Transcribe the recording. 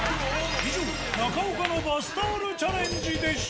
以上、中岡のバスタオルチャレンジでした。